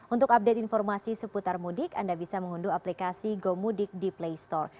untuk update informasi seputar mudik anda bisa mengunduh aplikasi gomudik di play store